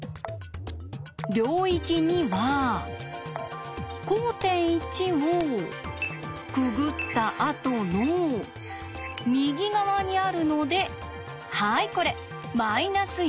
領域２は交点１をくぐった後の右側にあるのではいこれ−１。